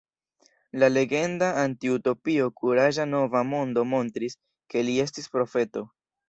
La legenda antiutopio Kuraĝa Nova Mondo montris, ke li estis profeto.